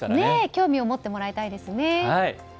興味を持ってもらいたいですね。